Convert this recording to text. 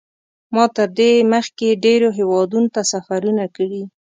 ما تر دې مخکې ډېرو هېوادونو ته سفرونه کړي.